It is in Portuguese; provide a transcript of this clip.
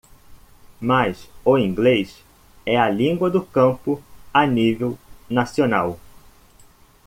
Mas o inglês é a língua do campo a nível nacional.